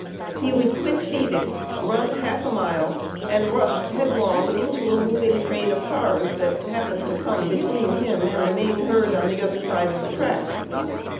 He would quit feeding, run half a mile, and rush headlong into a moving train of cars that happened to come between him and the main herd on the other side of the track.